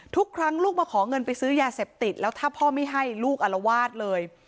ทุกครั้งลูกมาขอเงินไปซื้อยาเสพติดแล้วถ้าพ่อไม่ให้ลูกอารวาสเลย